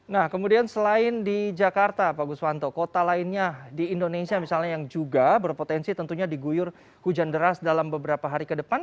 nah kemudian selain di jakarta pak guswanto kota lainnya di indonesia misalnya yang juga berpotensi tentunya diguyur hujan deras dalam beberapa hari ke depan